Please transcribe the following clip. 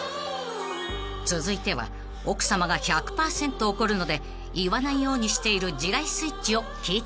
［続いては奥さまが１００％怒るので言わないようにしている地雷スイッチを聞いてみました］